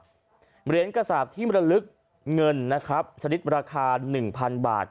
เหรียญกระสาปที่มรลึกเงินนะครับชนิดราคา๑๐๐๐บาท